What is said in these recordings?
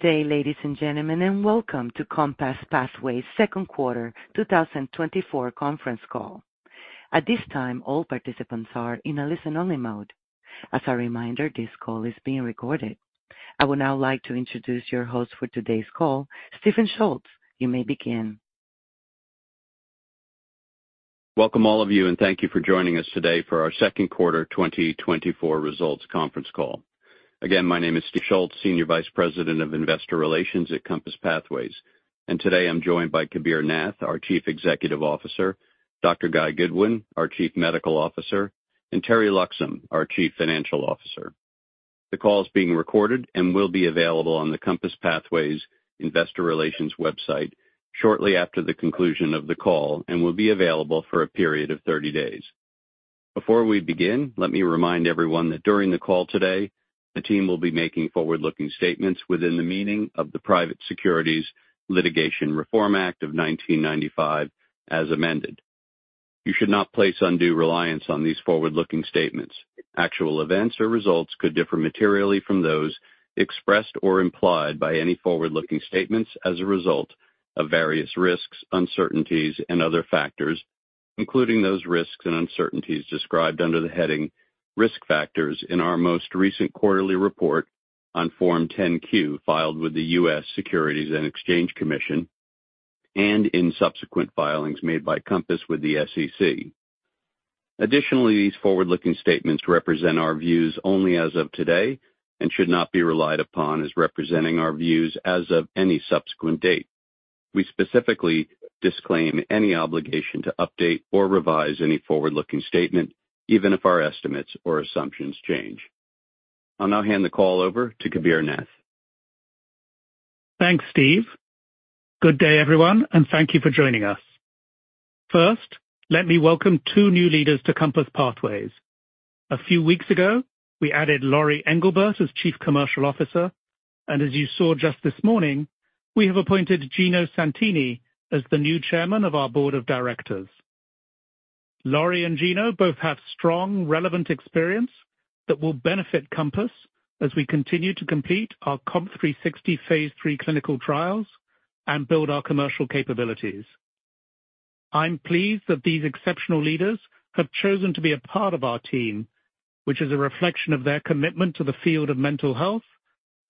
Good day, ladies and gentlemen, and welcome to COMPASS Pathways Q2 2024 Conference Call. At this time, all participants are in a listen-only mode. As a reminder, this call is being recorded. I would now like to introduce your host for today's call, Stephen Schultz. You may begin. Welcome, all of you, and thank you for joining us today for our Q2 2024 results conference call. Again, my name is Steve Schultz, Senior Vice President of Investor Relations at COMPASS Pathways, and today I'm joined by Kabir Nath, our Chief Executive Officer; Dr. Guy Goodwin, our Chief Medical Officer; and Teri Loxam, our Chief Financial Officer. The call is being recorded and will be available on the COMPASS Pathways Investor Relations website shortly after the conclusion of the call and will be available for a period of 30 days. Before we begin, let me remind everyone that during the call today, the team will be making forward-looking statements within the meaning of the Private Securities Litigation Reform Act of 1995, as amended. You should not place undue reliance on these forward-looking statements. Actual events or results could differ materially from those expressed or implied by any forward-looking statements as a result of various risks, uncertainties, and other factors, including those risks and uncertainties described under the heading "Risk Factors" in our most recent quarterly report on Form 10-Q filed with the U.S. Securities and Exchange Commission and in subsequent filings made by COMPASS with the SEC. Additionally, these forward-looking statements represent our views only as of today and should not be relied upon as representing our views as of any subsequent date. We specifically disclaim any obligation to update or revise any forward-looking statement, even if our estimates or assumptions change. I'll now hand the call over to Kabir Nath. Thanks, Steve. Good day, everyone, and thank you for joining us. First, let me welcome two new leaders to COMPASS Pathways. A few weeks ago, we added Lori Englebert as Chief Commercial Officer, and as you saw just this morning, we have appointed Gino Santini as the new Chairman of our Board of Directors. Lori and Gino both have strong, relevant experience that will benefit COMPASS as we continue to complete our COMP360 phase III clinical trials and build our commercial capabilities. I'm pleased that these exceptional leaders have chosen to be a part of our team, which is a reflection of their commitment to the field of mental health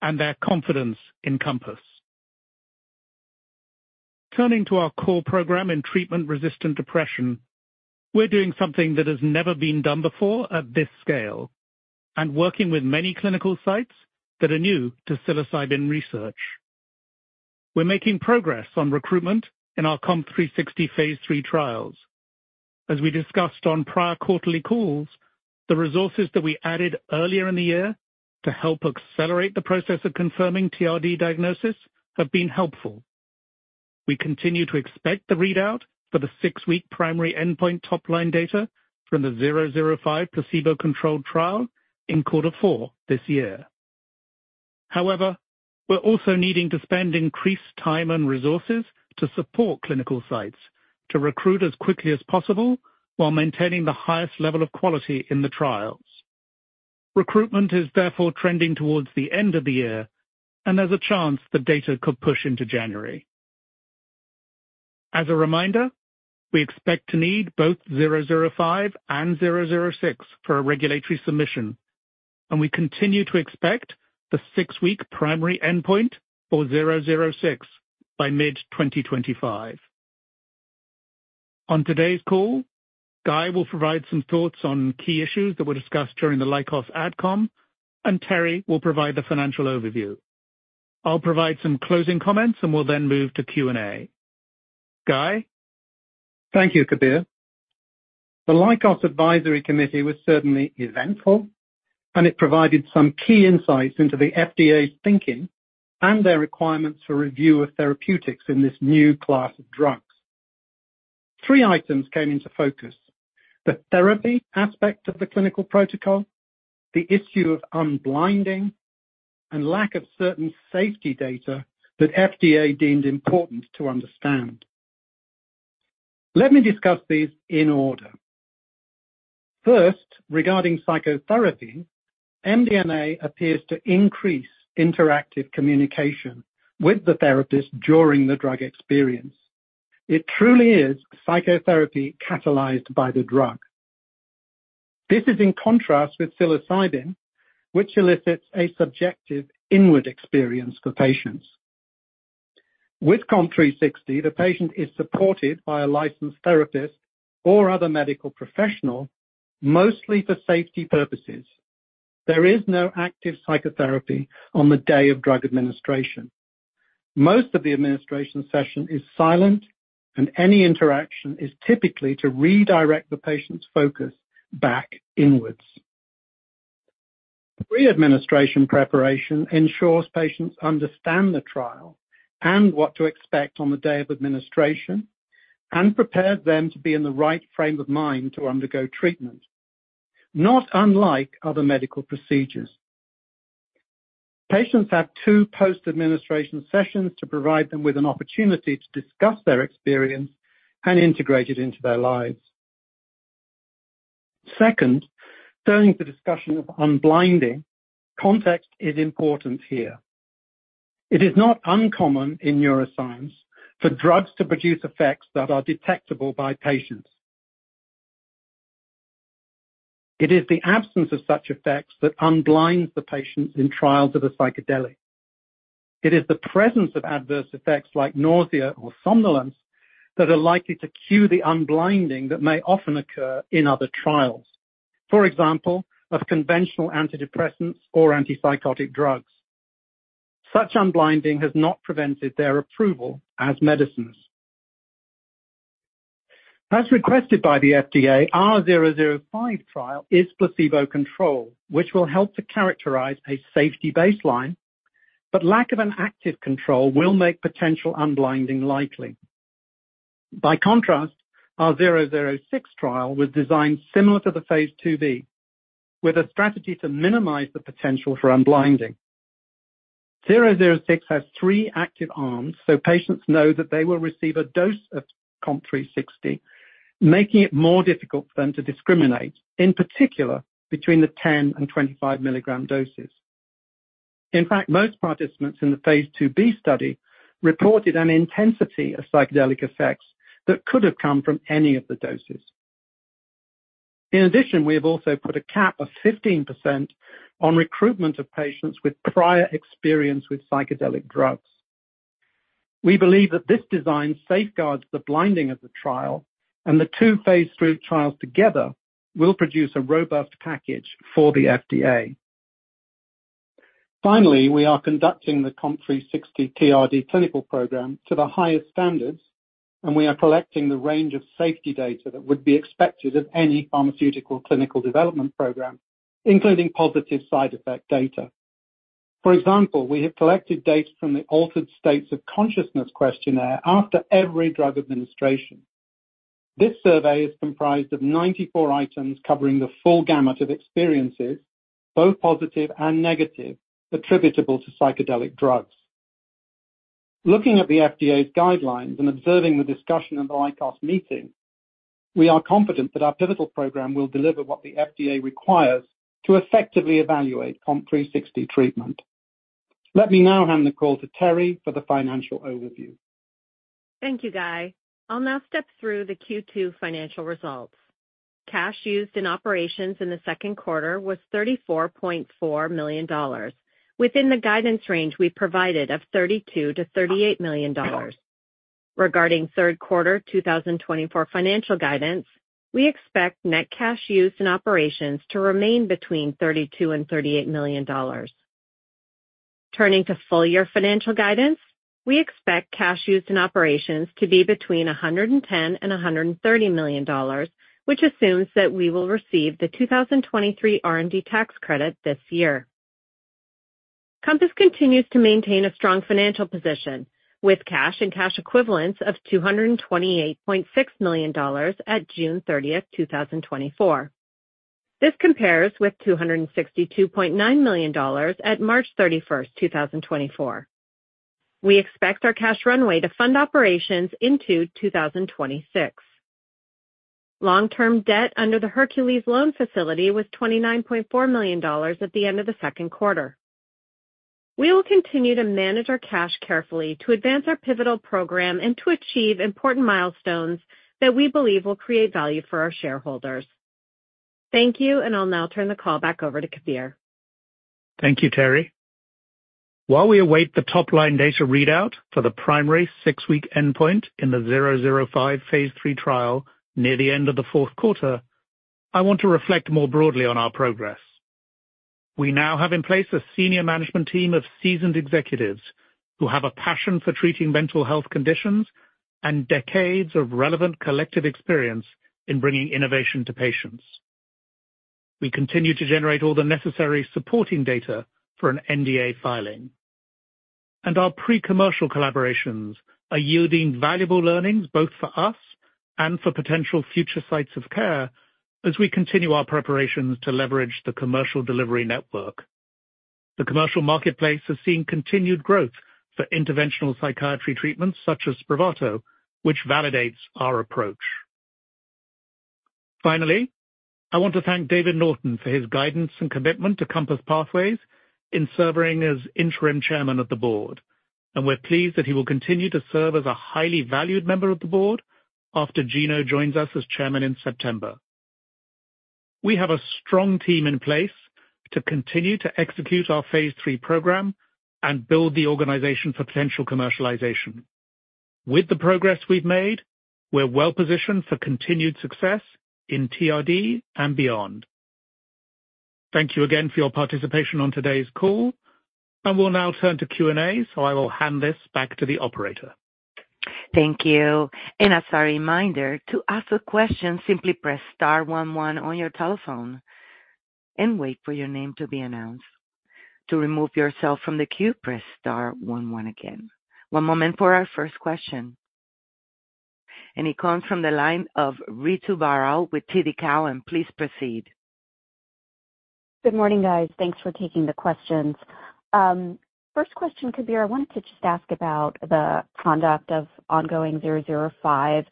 and their confidence in COMPASS. Turning to our core program in treatment-resistant depression, we're doing something that has never been done before at this scale and working with many clinical sites that are new to psilocybin research. We're making progress on recruitment in our COMP360 phase III trials. As we discussed on prior quarterly calls, the resources that we added earlier in the year to help accelerate the process of confirming TRD diagnosis have been helpful. We continue to expect the readout for the six-week primary endpoint top-line data from the 005 placebo-controlled trial in quarter four this year. However, we're also needing to spend increased time and resources to support clinical sites to recruit as quickly as possible while maintaining the highest level of quality in the trials. Recruitment is therefore trending towards the end of the year, and there's a chance the data could push into January. As a reminder, we expect to need both 005 and 006 for a regulatory submission, and we continue to expect the six-week primary endpoint for 006 by mid-2025. On today's call, Guy will provide some thoughts on key issues that were discussed during the Lykos Adcom, and Teri will provide the financial overview. I'll provide some closing comments, and we'll then move to Q&A. Guy. Thank you, Kabir. The Lykos Advisory Committee was certainly eventful, and it provided some key insights into the FDA's thinking and their requirements for review of therapeutics in this new class of drugs. Three items came into focus: the therapy aspect of the clinical protocol, the issue of unblinding, and lack of certain safety data that FDA deemed important to understand. Let me discuss these in order. First, regarding psychotherapy, MDMA appears to increase interactive communication with the therapist during the drug experience. It truly is psychotherapy catalyzed by the drug. This is in contrast with psilocybin, which elicits a subjective inward experience for patients. With COMP360, the patient is supported by a licensed therapist or other medical professional, mostly for safety purposes. There is no active psychotherapy on the day of drug administration. Most of the administration session is silent, and any interaction is typically to redirect the patient's focus back inwards. Pre-administration preparation ensures patients understand the trial and what to expect on the day of administration and prepares them to be in the right frame of mind to undergo treatment, not unlike other medical procedures. Patients have two post-administration sessions to provide them with an opportunity to discuss their experience and integrate it into their lives. Second, during the discussion of unblinding, context is important here. It is not uncommon in neuroscience for drugs to produce effects that are detectable by patients. It is the absence of such effects that unblinds the patient in trials of a psychedelic. It is the presence of adverse effects like nausea or somnolence that are likely to cue the unblinding that may often occur in other trials, for example, of conventional antidepressants or antipsychotic drugs. Such unblinding has not prevented their approval as medicines. As requested by the FDA, our 005 trial is placebo-controlled, which will help to characterize a safety baseline, but lack of an active control will make potential unblinding likely. By contrast, our 006 trial was designed similar to the phase IIb, with a strategy to minimize the potential for unblinding. 006 has three active arms, so patients know that they will receive a dose of COMP360, making it more difficult for them to discriminate, in particular between the 10 and 25 milligram doses. In fact, most participants in the phase IIb study reported an intensity of psychedelic effects that could have come from any of the doses. In addition, we have also put a cap of 15% on recruitment of patients with prior experience with psychedelic drugs. We believe that this design safeguards the blinding of the trial, and the two phase III trials together will produce a robust package for the FDA. Finally, we are conducting the COMP360 TRD clinical program to the highest standards, and we are collecting the range of safety data that would be expected of any pharmaceutical clinical development program, including positive side effect data. For example, we have collected data from the Altered States of Consciousness questionnaire after every drug administration. This survey is comprised of 94 items covering the full gamut of experiences, both positive and negative, attributable to psychedelic drugs. Looking at the FDA's guidelines and observing the discussion at the Lykos meeting, we are confident that our pivotal program will deliver what the FDA requires to effectively evaluate COMP360 treatment. Let me now hand the call to Teri for the financial overview. Thank you, Guy. I'll now step through the Q2 financial results. Cash used in operations in the Q2 was $34.4 million, within the guidance range we provided of $32-$38 million. Regarding Q3 2024 financial guidance, we expect net cash used in operations to remain between $32 and $38 million. Turning to full year financial guidance, we expect cash used in operations to be between $110 and $130 million, which assumes that we will receive the 2023 R&D tax credit this year. COMPASS continues to maintain a strong financial position, with cash and cash equivalents of $228.6 million at June 30, 2024. This compares with $262.9 million at March 31, 2024. We expect our cash runway to fund operations into 2026. Long-term debt under the Hercules Loan Facility was $29.4 million at the end of the Q2. We will continue to manage our cash carefully to advance our pivotal program and to achieve important milestones that we believe will create value for our shareholders. Thank you, and I'll now turn the call back over to Kabir. Thank you, Teri. While we await the top-line data readout for the primary 6-week endpoint in the 005 phase III trial near the end of the Q4, I want to reflect more broadly on our progress. We now have in place a senior management team of seasoned executives who have a passion for treating mental health conditions and decades of relevant collective experience in bringing innovation to patients. We continue to generate all the necessary supporting data for an NDA filing, and our pre-commercial collaborations are yielding valuable learnings both for us and for potential future sites of care as we continue our preparations to leverage the commercial delivery network. The commercial marketplace has seen continued growth for interventional psychiatry treatments such as Spravato, which validates our approach. Finally, I want to thank David Norton for his guidance and commitment to COMPASS Pathways in serving as interim chairman of the board, and we're pleased that he will continue to serve as a highly valued member of the board after Gino joins us as chairman in September. We have a strong team in place to continue to execute our phase III program and build the organization for potential commercialization. With the progress we've made, we're well positioned for continued success in TRD and beyond. Thank you again for your participation on today's call, and we'll now turn to Q&A, so I will hand this back to the operator. Thank you. As a reminder, to ask a question, simply press star 11 on your telephone and wait for your name to be announced. To remove yourself from the queue, press star 11 again. One moment for our first question. It comes from the line of Ritu Baral with TD Cowen, please proceed. Good morning, guys. Thanks for taking the questions. First question, Kabir, I wanted to just ask about the conduct of ongoing 005.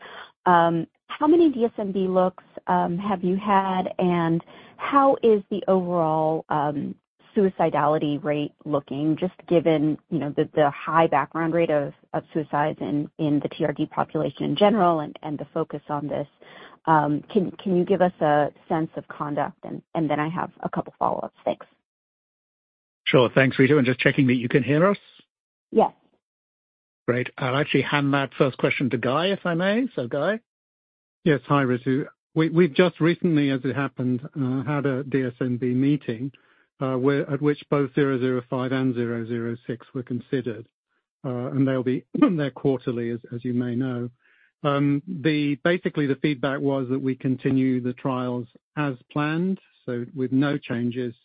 How many DSMB looks have you had, and how is the overall suicidality rate looking, just given the high background rate of suicides in the TRD population in general and the focus on this? Can you give us a sense of conduct? And then I have a couple of follow-ups. Thanks. Sure, thanks, Ritu. Just checking that you can hear us? Yes. Great. I'll actually hand that first question to Guy, if I may. So, Guy. Yes, hi, Ritu. We've just recently, as it happened, had a DSMB meeting at which both 005 and 006 were considered, and they're quarterly, as you may know. Basically, the feedback was that we continue the trials as planned, so with no changes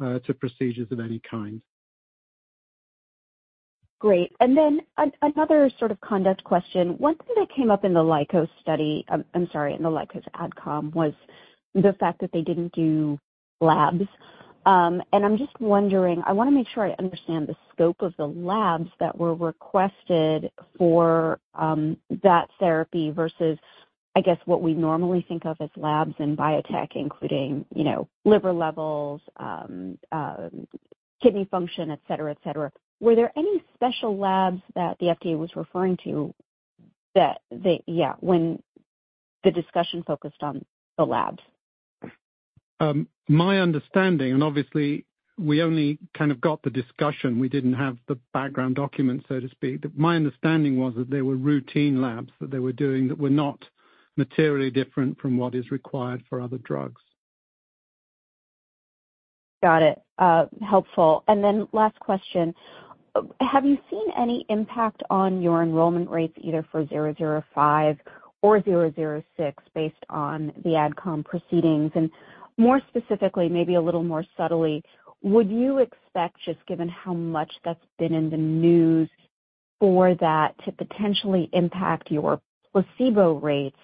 to procedures of any kind. Great. And then another sort of conduct question. One thing that came up in the Lykos study, I'm sorry, in the Lykos Adcom, was the fact that they didn't do labs. And I'm just wondering, I want to make sure I understand the scope of the labs that were requested for that therapy versus, I guess, what we normally think of as labs in biotech, including liver levels, kidney function, et cetera, et cetera. Were there any special labs that the FDA was referring to that, yeah, when the discussion focused on the labs? My understanding, and obviously, we only kind of got the discussion. We didn't have the background documents, so to speak. My understanding was that there were routine labs that they were doing that were not materially different from what is required for other drugs. Got it. Helpful. And then last question. Have you seen any impact on your enrollment rates, either for 005 or 006, based on the Adcom proceedings? And more specifically, maybe a little more subtly, would you expect, just given how much that's been in the news for that, to potentially impact your placebo rates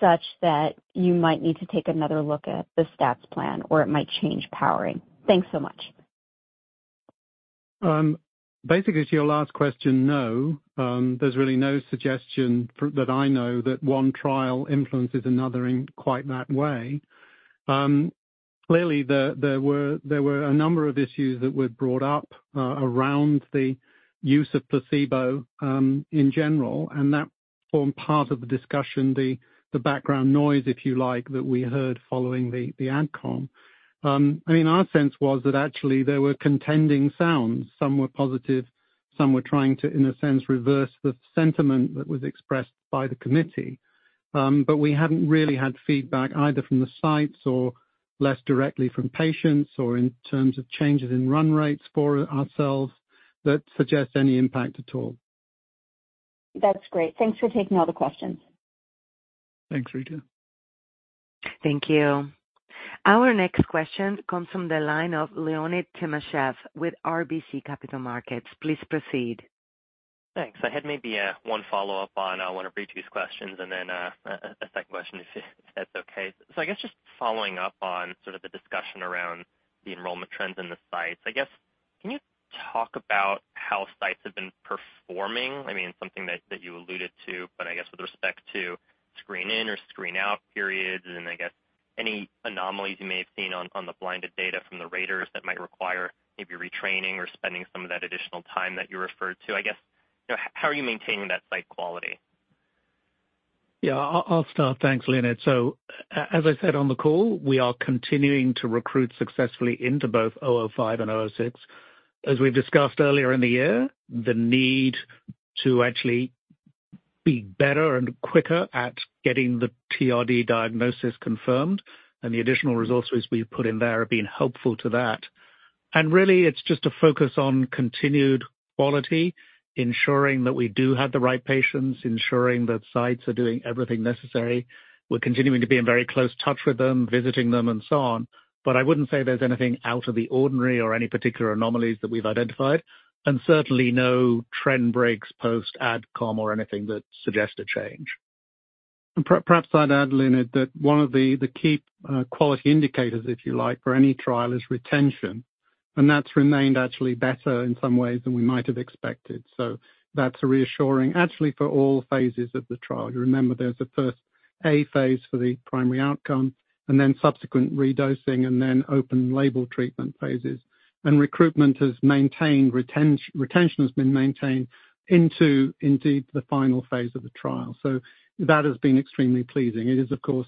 such that you might need to take another look at the stats plan or it might change powering? Thanks so much. Basically, to your last question, no. There's really no suggestion that I know that one trial influences another in quite that way. Clearly, there were a number of issues that were brought up around the use of placebo in general, and that formed part of the discussion, the background noise, if you like, that we heard following the Adcom. I mean, our sense was that actually there were contending sounds. Some were positive. Some were trying to, in a sense, reverse the sentiment that was expressed by the committee. But we hadn't really had feedback either from the sites or less directly from patients or in terms of changes in run rates for ourselves that suggest any impact at all. That's great. Thanks for taking all the questions. Thanks, Ritu. Thank you. Our next question comes from the line of Leonid Timashev with RBC Capital Markets. Please proceed. Thanks. I had maybe one follow-up on one of Ritu's questions and then a second question, if that's okay. So I guess just following up on sort of the discussion around the enrollment trends in the sites, I guess, can you talk about how sites have been performing? I mean, something that you alluded to, but I guess with respect to screen-in or screen-out periods and I guess any anomalies you may have seen on the blinded data from the raters that might require maybe retraining or spending some of that additional time that you referred to. I guess, how are you maintaining that site quality? Yeah, I'll start. Thanks, Leonid. So as I said on the call, we are continuing to recruit successfully into both 005 and 006. As we've discussed earlier in the year, the need to actually be better and quicker at getting the TRD diagnosis confirmed and the additional resources we've put in there have been helpful to that. And really, it's just a focus on continued quality, ensuring that we do have the right patients, ensuring that sites are doing everything necessary. We're continuing to be in very close touch with them, visiting them, and so on. But I wouldn't say there's anything out of the ordinary or any particular anomalies that we've identified, and certainly no trend breaks post-Adcom or anything that suggests a change. Perhaps I'd add, Leonid, that one of the key quality indicators, if you like, for any trial is retention, and that's remained actually better in some ways than we might have expected. So that's reassuring actually for all phases of the trial. Remember, there's a first A phase for the primary outcome, and then subsequent redosing, and then open label treatment phases. Recruitment has maintained. Retention has been maintained into indeed the final phase of the trial. So that has been extremely pleasing. It is, of course,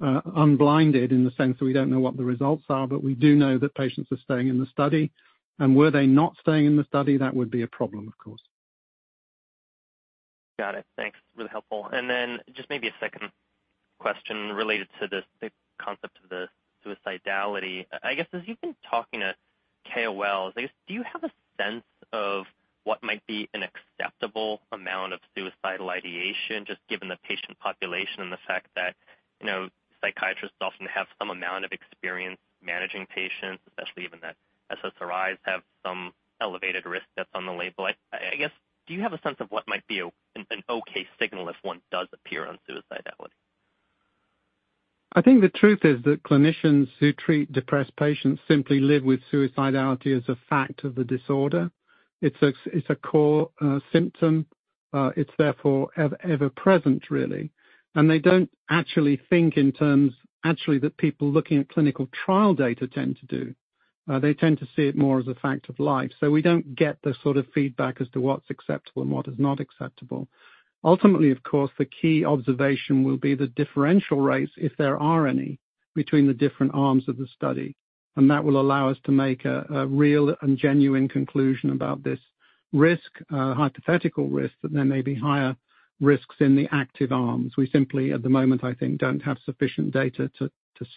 unblinded in the sense that we don't know what the results are, but we do know that patients are staying in the study. Were they not staying in the study, that would be a problem, of course. Got it. Thanks. It's really helpful. And then just maybe a second question related to the concept of the suicidality. I guess, as you've been talking to KOLs, do you have a sense of what might be an acceptable amount of suicidal ideation, just given the patient population and the fact that psychiatrists often have some amount of experience managing patients, especially even the SSRIs have some elevated risk that's on the label? I guess, do you have a sense of what might be an okay signal if one does appear on suicidality? I think the truth is that clinicians who treat depressed patients simply live with suicidality as a fact of the disorder. It's a core symptom. It's therefore ever-present, really. They don't actually think in terms actually that people looking at clinical trial data tend to do. They tend to see it more as a fact of life. We don't get the sort of feedback as to what's acceptable and what is not acceptable. Ultimately, of course, the key observation will be the differential rates, if there are any, between the different arms of the study. That will allow us to make a real and genuine conclusion about this risk, hypothetical risk, that there may be higher risks in the active arms. We simply, at the moment, I think, don't have sufficient data to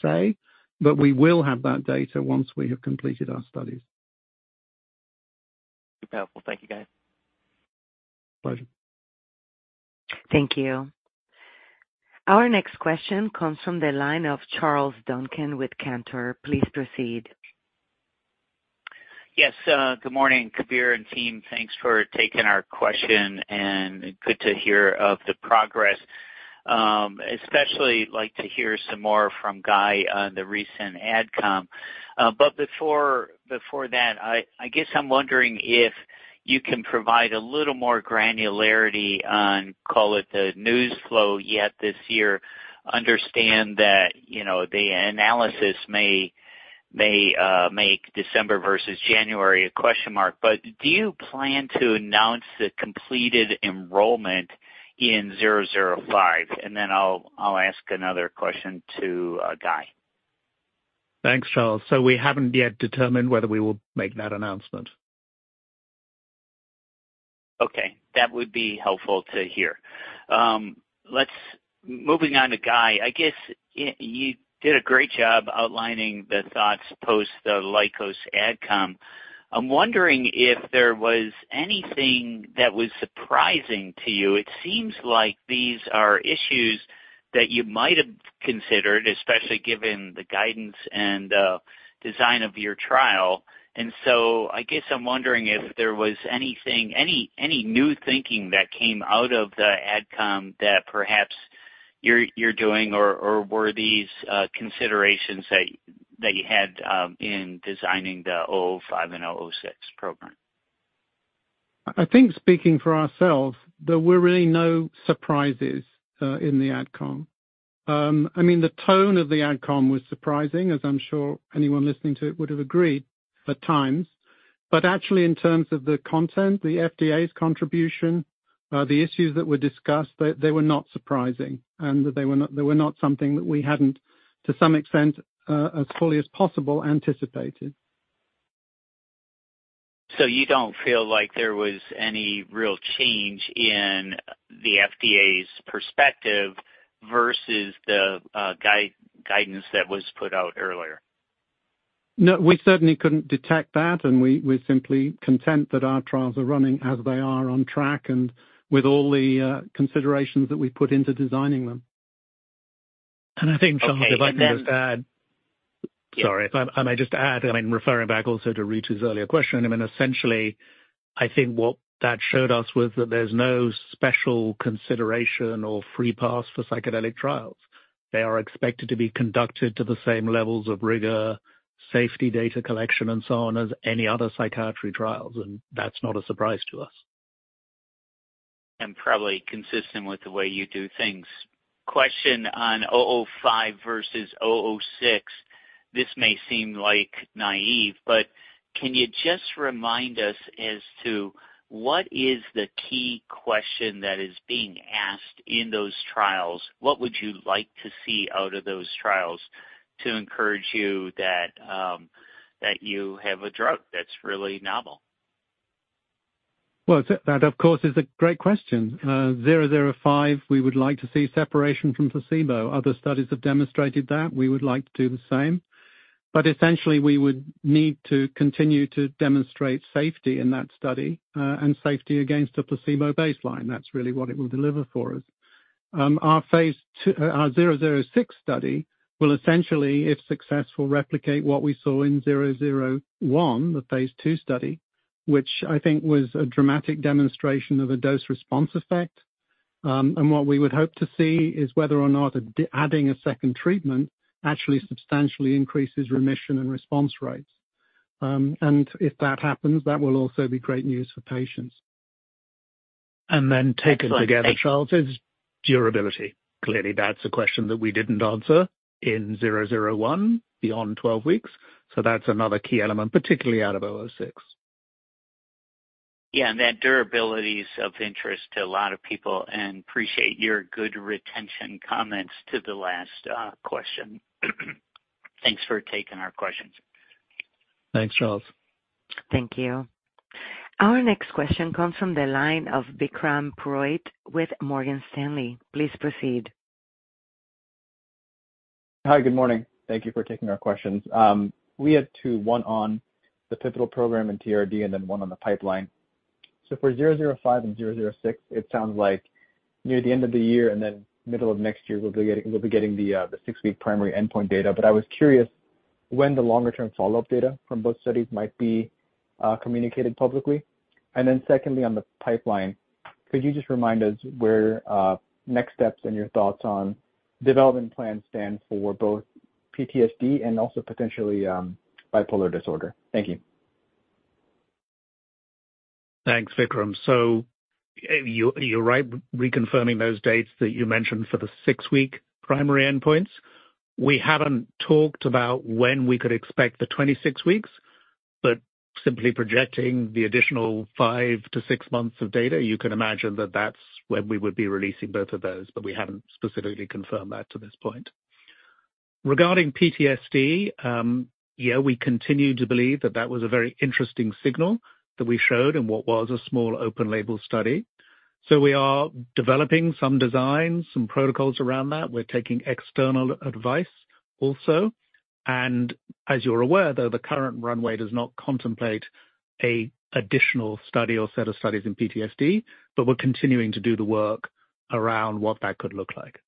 say, but we will have that data once we have completed our studies. Powerful. Thank you, guys. Pleasure. Thank you. Our next question comes from the line of Charles Duncan with Cantor. Please proceed. Yes, good morning, Kabir and team. Thanks for taking our question, and good to hear of the progress. Especially like to hear some more from Guy on the recent Adcom. But before that, I guess I'm wondering if you can provide a little more granularity on, call it the news flow yet this year, understand that the analysis may make December versus January a question mark. But do you plan to announce the completed enrollment in 005? And then I'll ask another question to Guy. Thanks, Charles. We haven't yet determined whether we will make that announcement. Okay. That would be helpful to hear. Moving on to Guy, I guess you did a great job outlining the thoughts post the Lykos Adcom. I'm wondering if there was anything that was surprising to you. It seems like these are issues that you might have considered, especially given the guidance and design of your trial. And so I guess I'm wondering if there was anything, any new thinking that came out of the Adcom that perhaps you're doing or were these considerations that you had in designing the 005 and 006 program? I think speaking for ourselves, there were really no surprises in the Adcom. I mean, the tone of the Adcom was surprising, as I'm sure anyone listening to it would have agreed at times. But actually, in terms of the content, the FDA's contribution, the issues that were discussed, they were not surprising, and they were not something that we hadn't, to some extent, as fully as possible, anticipated. You don't feel like there was any real change in the FDA's perspective versus the guidance that was put out earlier? No, we certainly couldn't detect that, and we're simply content that our trials are running as they are on track and with all the considerations that we put into designing them. I think something that I can just add, sorry. I may just add, I mean, referring back also to Ritu's earlier question, I mean, essentially, I think what that showed us was that there's no special consideration or free pass for psychedelic trials. They are expected to be conducted to the same levels of rigor, safety data collection, and so on as any other psychiatry trials, and that's not a surprise to us. Probably consistent with the way you do things. Question on 005 versus 006, this may seem like naive, but can you just remind us as to what is the key question that is being asked in those trials? What would you like to see out of those trials to encourage you that you have a drug that's really novel? Well, that, of course, is a great question. 005, we would like to see separation from placebo. Other studies have demonstrated that. We would like to do the same. But essentially, we would need to continue to demonstrate safety in that study and safety against a placebo baseline. That's really what it will deliver for us. Our 006 study will essentially, if successful, replicate what we saw in 001, the phase II study, which I think was a dramatic demonstration of a dose-response effect. And what we would hope to see is whether or not adding a second treatment actually substantially increases remission and response rates. And if that happens, that will also be great news for patients. And then taken together, Charles, is durability. Clearly, that's a question that we didn't answer in 001 beyond 12 weeks. So that's another key element, particularly out of 006. Yeah, and that durability is of interest to a lot of people, and appreciate your good retention comments to the last question. Thanks for taking our questions. Thanks, Charles. Thank you. Our next question comes from the line of Vikram Purohit with Morgan Stanley. Please proceed. Hi, good morning. Thank you for taking our questions. We had two: one on the pivotal program and TRD, and then one on the pipeline. So for 005 and 006, it sounds like near the end of the year and then middle of next year, we'll be getting the six-week primary endpoint data. But I was curious when the longer-term follow-up data from both studies might be communicated publicly. And then secondly, on the pipeline, could you just remind us where next steps and your thoughts on development plans stand for both PTSD and also potentially bipolar disorder? Thank you. Thanks, Vikram. So you're right reconfirming those dates that you mentioned for the 6-week primary endpoints. We haven't talked about when we could expect the 26 weeks, but simply projecting the additional 5-6 months of data, you can imagine that that's when we would be releasing both of those, but we haven't specifically confirmed that to this point. Regarding PTSD, yeah, we continue to believe that that was a very interesting signal that we showed in what was a small open label study. So we are developing some designs, some protocols around that. We're taking external advice also. And as you're aware, though, the current runway does not contemplate an additional study or set of studies in PTSD, but we're continuing to do the work around what that could look like.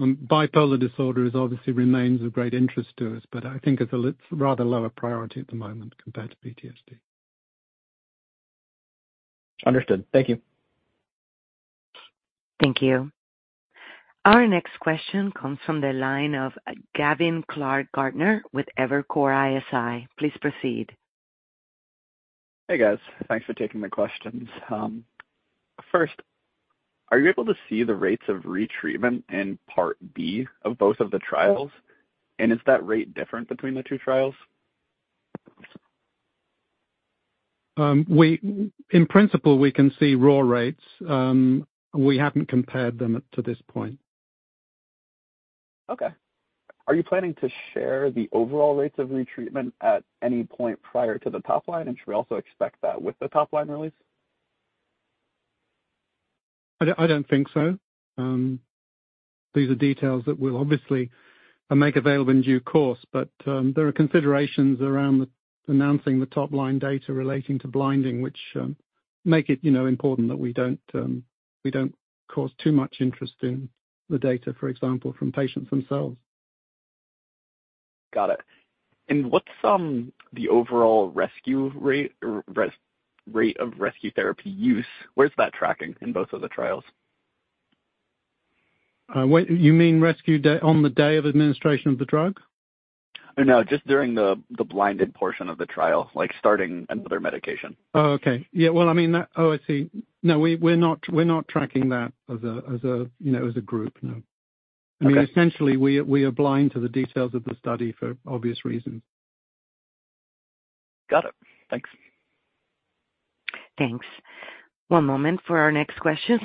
Bipolar disorder obviously remains of great interest to us, but I think it's a rather lower priority at the moment compared to PTSD. Understood. Thank you. Thank you. Our next question comes from the line of Gavin Clark-Gartner with Evercore ISI. Please proceed. Hey, guys. Thanks for taking my questions. First, are you able to see the rates of retreatment in part B of both of the trials? And is that rate different between the two trials? In principle, we can see raw rates. We haven't compared them to this point. Okay. Are you planning to share the overall rates of retreatment at any point prior to the top line? And should we also expect that with the top line release? I don't think so. These are details that we'll obviously make available in due course, but there are considerations around announcing the top line data relating to blinding, which make it important that we don't cause too much interest in the data, for example, from patients themselves. Got it. What's the overall rate of rescue therapy use? Where's that tracking in both of the trials? You mean rescue on the day of administration of the drug? No, just during the blinded portion of the trial, like starting another medication. Oh, okay. Yeah. Well, I mean, oh, I see. No, we're not tracking that as a group, no. I mean, essentially, we are blind to the details of the study for obvious reasons. Got it. Thanks. Thanks. One moment for our next question.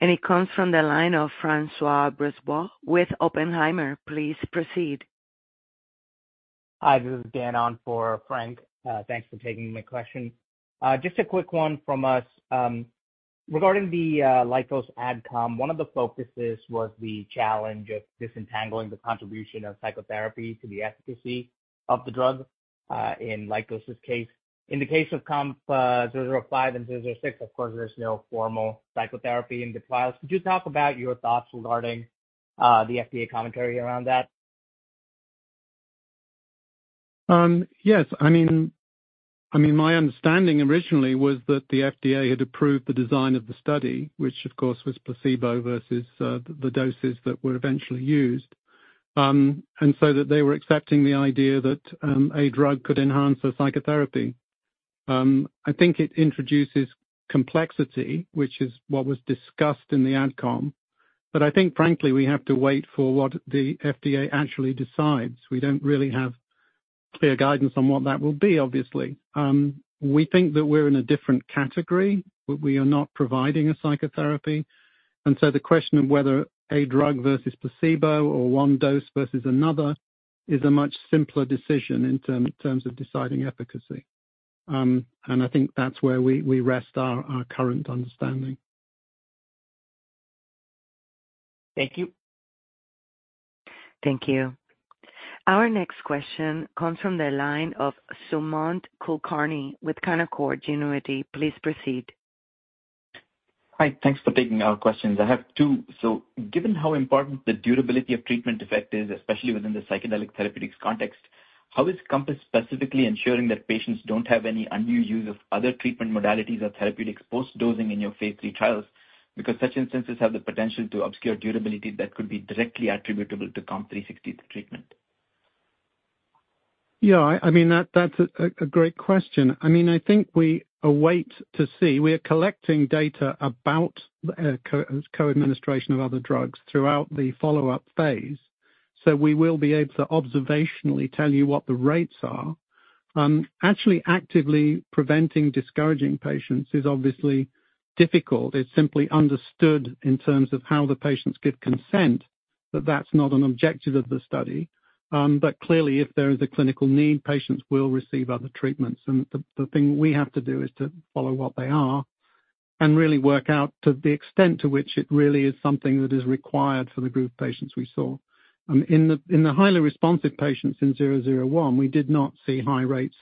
It comes from the line of François Brisebois with Oppenheimer. Please proceed. Hi, this is Dan on for François. Thanks for taking my question. Just a quick one from us. Regarding the Lykos Adcom, one of the focuses was the challenge of disentangling the contribution of psychotherapy to the efficacy of the drug in Lykos' case. In the case of 005 and 006, of course, there's no formal psychotherapy in the trials. Could you talk about your thoughts regarding the FDA commentary around that? Yes. I mean, my understanding originally was that the FDA had approved the design of the study, which, of course, was placebo versus the doses that were eventually used, and so that they were accepting the idea that a drug could enhance the psychotherapy. I think it introduces complexity, which is what was discussed in the Adcom. But I think, frankly, we have to wait for what the FDA actually decides. We don't really have clear guidance on what that will be, obviously. We think that we're in a different category. We are not providing a psychotherapy. And so the question of whether a drug versus placebo or one dose versus another is a much simpler decision in terms of deciding efficacy. And I think that's where we rest our current understanding. Thank you. Thank you. Our next question comes from the line of Sumant Kulkarni with Canaccord Genuity. Please proceed. Hi. Thanks for taking our questions. I have two. So given how important the durability of treatment effect is, especially within the psychedelic therapeutics context, how is COMPASS specifically ensuring that patients don't have any undue use of other treatment modalities or therapeutics post-dosing in your phase III trials? Because such instances have the potential to obscure durability that could be directly attributable to COMP360 treatment. Yeah, I mean, that's a great question. I mean, I think we await to see. We are collecting data about co-administration of other drugs throughout the follow-up phase. So we will be able to observationally tell you what the rates are. Actually actively preventing discouraging patients is obviously difficult. It's simply understood in terms of how the patients give consent, but that's not an objective of the study. But clearly, if there is a clinical need, patients will receive other treatments. The thing we have to do is to follow what they are and really work out to the extent to which it really is something that is required for the group patients we saw. In the highly responsive patients in 001, we did not see high rates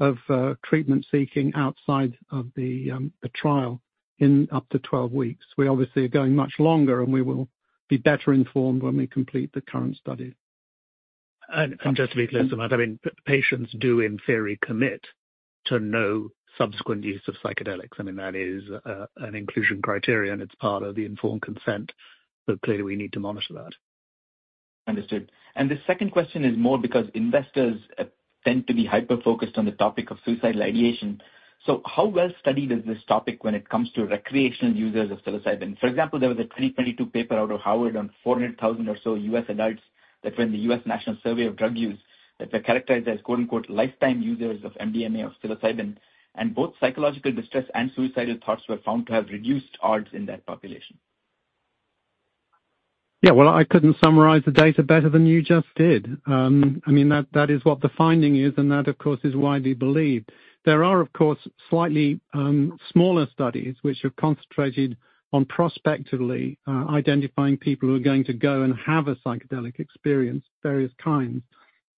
of treatment seeking outside of the trial in up to 12 weeks. We obviously are going much longer, and we will be better informed when we complete the current study. Just to be clear, Sumant, I mean, patients do, in theory, commit to no subsequent use of psychedelics. I mean, that is an inclusion criterion, and it's part of the informed consent. But clearly, we need to monitor that. Understood. The second question is more because investors tend to be hyper-focused on the topic of suicidal ideation. How well-studied is this topic when it comes to recreational users of psilocybin? For example, there was a 2022 paper out of Harvard on 400,000 or so U.S. adults that were in the U.S. National Survey of Drug Use that were characterized as "lifetime users of MDMA or psilocybin," and both psychological distress and suicidal thoughts were found to have reduced odds in that population. Yeah, well, I couldn't summarize the data better than you just did. I mean, that is what the finding is, and that, of course, is widely believed. There are, of course, slightly smaller studies which are concentrated on prospectively identifying people who are going to go and have a psychedelic experience, various kinds.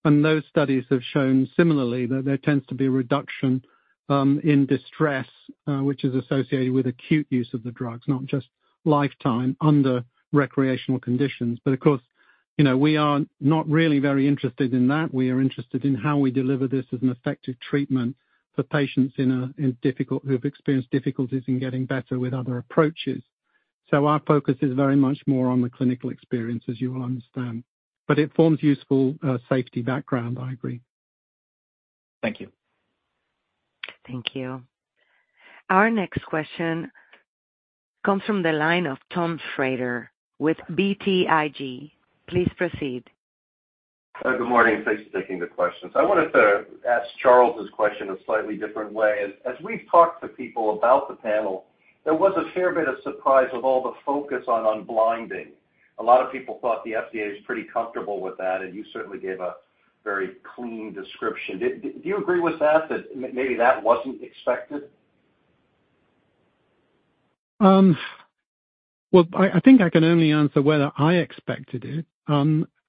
And those studies have shown similarly that there tends to be a reduction in distress, which is associated with acute use of the drugs, not just lifetime under recreational conditions. But of course, we are not really very interested in that. We are interested in how we deliver this as an effective treatment for patients who have experienced difficulties in getting better with other approaches. So our focus is very much more on the clinical experience, as you will understand. But it forms useful safety background, I agree. Thank you. Thank you. Our next question comes from the line of Tom Schrader with BTIG. Please proceed. Good morning. Thanks for taking the questions. I wanted to ask Charles' question in a slightly different way. As we've talked to people about the panel, there was a fair bit of surprise with all the focus on blinding. A lot of people thought the FDA was pretty comfortable with that, and you certainly gave a very clean description. Do you agree with that, that maybe that wasn't expected? Well, I think I can only answer whether I expected it.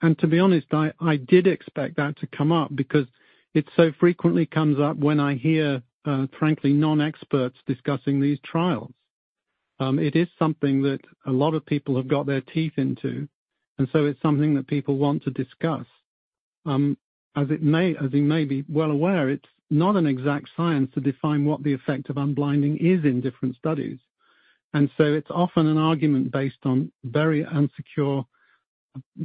And to be honest, I did expect that to come up because it so frequently comes up when I hear, frankly, non-experts discussing these trials. It is something that a lot of people have got their teeth into, and so it's something that people want to discuss. As you may be well aware, it's not an exact science to define what the effect of unblinding is in different studies. And so it's often an argument based on very insecure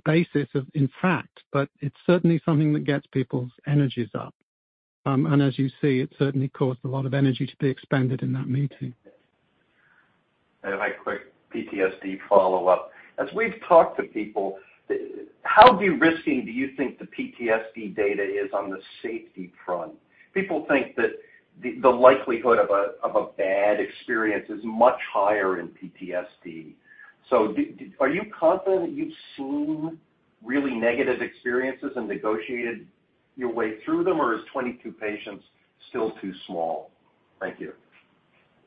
basis, in fact, but it's certainly something that gets people's energies up. And as you see, it certainly caused a lot of energy to be expended in that meeting. My quick PTSD follow-up. As we've talked to people, how de-risking do you think the PTSD data is on the safety front? People think that the likelihood of a bad experience is much higher in PTSD. So are you confident that you've seen really negative experiences and negotiated your way through them, or is 22 patients still too small? Thank you.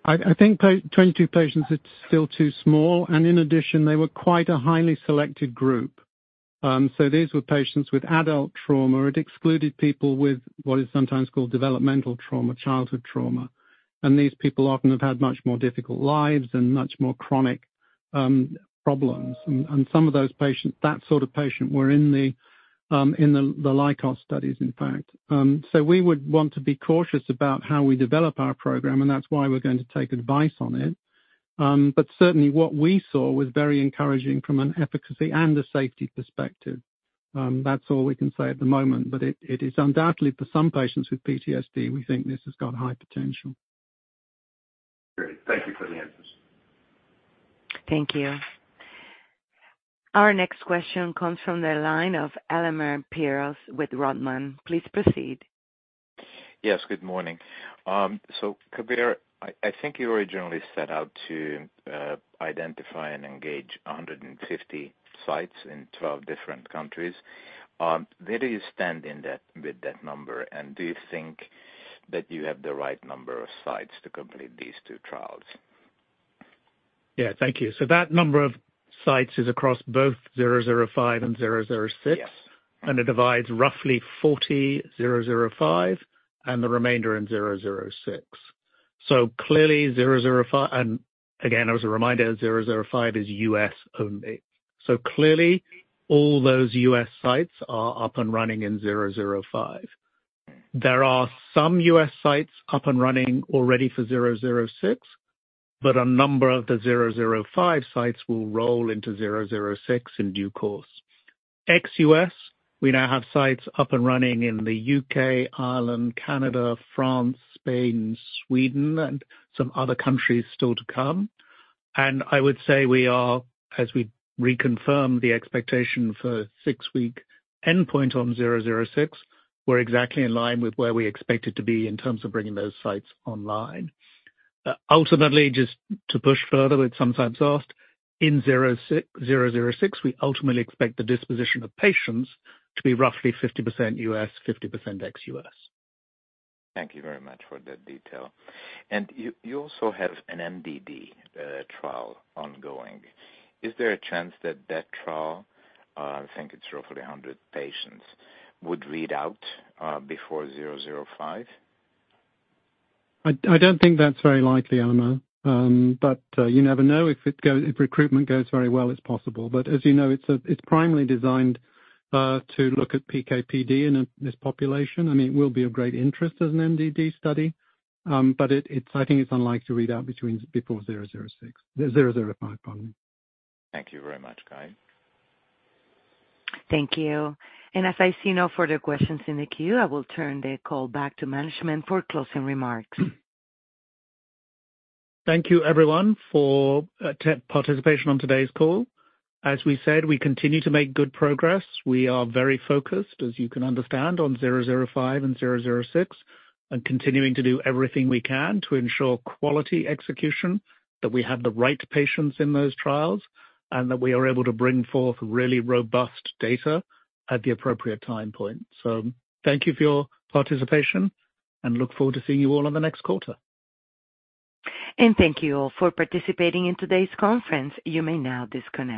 I think 22 patients are still too small. In addition, they were quite a highly selected group. So these were patients with adult trauma. It excluded people with what is sometimes called developmental trauma, childhood trauma. And these people often have had much more difficult lives and much more chronic problems. And some of those patients, that sort of patient, were in the Lykos studies, in fact. So we would want to be cautious about how we develop our program, and that's why we're going to take advice on it. But certainly, what we saw was very encouraging from an efficacy and a safety perspective. That's all we can say at the moment. But it is undoubtedly for some patients with PTSD, we think this has got high potential. Great. Thank you for the answers. Thank you. Our next question comes from the line of Elemer Piros with Roth MKM. Please proceed. Yes, good morning. So Kabir, I think you originally set out to identify and engage 150 sites in 12 different countries. Where do you stand with that number? And do you think that you have the right number of sites to complete these 2 trials? Yeah, thank you. So that number of sites is across both 005 and 006. And it divides roughly 40 in 005 and the remainder in 006. So clearly, 005, and again, as a reminder, 005 is U.S. only. So clearly, all those U.S. sites are up and running in 005. There are some U.S. sites up and running already for 006, but a number of the 005 sites will roll into 006 in due course. Ex-U.S., we now have sites up and running in the UK, Ireland, Canada, France, Spain, Sweden, and some other countries still to come. And I would say we are, as we reconfirm the expectation for six-week endpoint on 006, we're exactly in line with where we expect it to be in terms of bringing those sites online. Ultimately, just to push further, it's sometimes asked, in 006, we ultimately expect the disposition of patients to be roughly 50% US, 50% ex-US. Thank you very much for that detail. You also have an MDD trial ongoing. Is there a chance that that trial, I think it's roughly 100 patients, would read out before 005? I don't think that's very likely, Elemer. But you never know. If recruitment goes very well, it's possible. But as you know, it's primarily designed to look at PKPD in this population. I mean, it will be of great interest as an MDD study, but I think it's unlikely to read out before 005, pardon me. Thank you very much, Guy. Thank you. As I see no further questions in the queue, I will turn the call back to management for closing remarks. Thank you, everyone, for participation on today's call. As we said, we continue to make good progress. We are very focused, as you can understand, on 005 and 006, and continuing to do everything we can to ensure quality execution, that we have the right patients in those trials, and that we are able to bring forth really robust data at the appropriate time point. Thank you for your participation, and look forward to seeing you all in the next quarter. Thank you all for participating in today's conference. You may now disconnect.